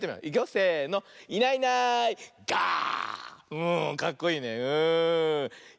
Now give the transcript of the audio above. うんかっこいいねうん。